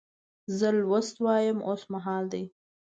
زه لوست وایم اوس مهال دی.